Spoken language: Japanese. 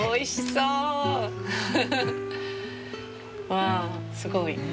わあすごい。